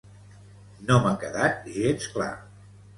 No m'ha quedat gens clar.